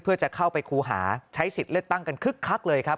เพื่อจะเข้าไปครูหาใช้สิทธิ์เลือกตั้งกันคึกคักเลยครับ